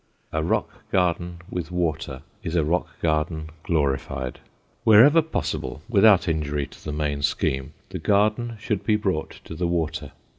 A rock garden with water is a rock garden glorified. Wherever possible, without injury to the main scheme, the garden should be brought to the water.